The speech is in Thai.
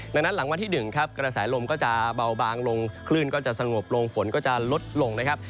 ดังนั้นหลังวันที่๑ครับกระแสลมก็จะเบาบางลงคลื่นก็จะสงบลงฝนก็จะลดลงนะครับ